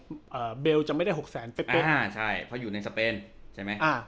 เอ่อเบลจะไม่ได้หกแสนเป๊บอ่าใช่เพราะอยู่ในสเปนใช่ไหมอ่า